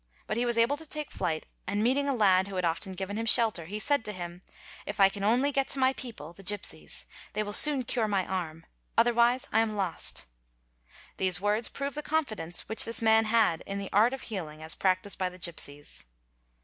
But he was able to take to flight and meeting a lad who had often given him shelter he said to him :—'" If I can only get to my people (the gipsies), they will soon cure my arm, otherwise I am lost." These words prove the confidence which this man had in the i art of healing as practised by the gipsies.